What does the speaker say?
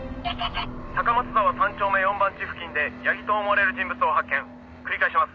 「高松沢３丁目４番地付近で矢木と思われる人物を発見」「繰り返します。